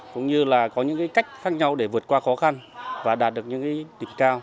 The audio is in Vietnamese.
cũng như là có những cách khác nhau để vượt qua khó khăn và đạt được những đỉnh cao